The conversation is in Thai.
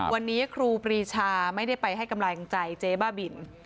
วันนี้ครูปรีชาไม่ได้ไปให้กำลังใจเจ๊บ้าบิน